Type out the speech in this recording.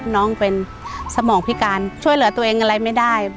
น้องเป็นสมองพิการช่วยเหลือตัวเองอะไรไม่ได้